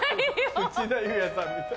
内田裕也さんみたい。